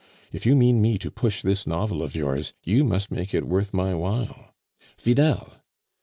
If you mean me to push this novel of yours, you must make it worth my while. Vidal!"